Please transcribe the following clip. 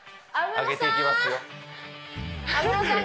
上げていきますよ